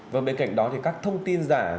vâng bên cạnh đó thì các thông tin giả